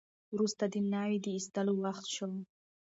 وروسته د ناوې د ایستلو وخت شو.